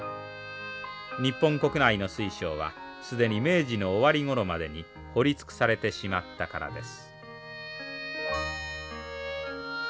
日本国内の水晶は既に明治の終わりごろまでに掘り尽くされてしまったからです。